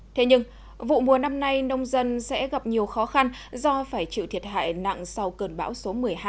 thế nhưng vụ mùa năm nay nông dân sẽ gặp nhiều khó khăn do phải chịu thiệt hại nặng sau cơn bão số một mươi hai